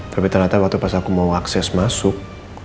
tapi ternyata waktu pas aku mau akses masuk